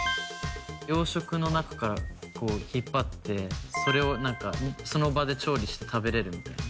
養殖の中からこう引っ張ってそれを何かその場で調理して食べれるみたいな。